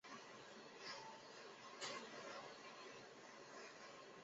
是苏俄为待应征入伍的青年人开展体育健身运动的背景下开展的。